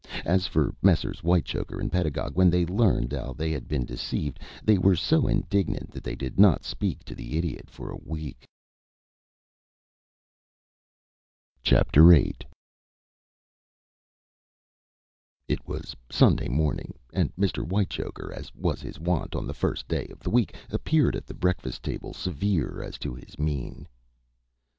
As for Messrs. Whitechoker and Pedagog, when they learned how they had been deceived, they were so indignant that they did not speak to the Idiot for a week. VIII It was Sunday morning, and Mr. Whitechoker, as was his wont on the first day of the week, appeared at the breakfast table severe as to his mien.